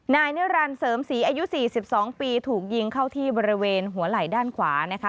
นายนิรันดิเสริมศรีอายุ๔๒ปีถูกยิงเข้าที่บริเวณหัวไหล่ด้านขวานะคะ